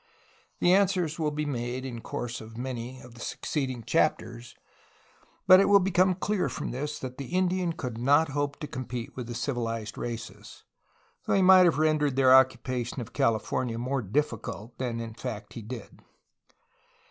The answer will be made in course of many of the succeeding chapters, but it will become clear from this that the Indian could not hope to compete with civilized races, though he might have rendered their occu pation of California more difficult than in fact he did.